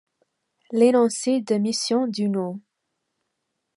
L'énoncé de mission du No.